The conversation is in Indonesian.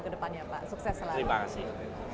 ke depannya pak sukses selalu terima kasih